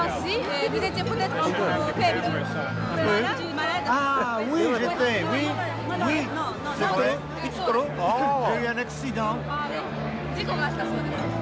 事故があったそうです。